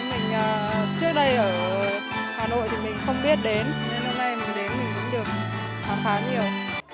mình trước đây ở hà nội thì mình không biết đến hôm nay mình đến mình cũng được khám phá nhiều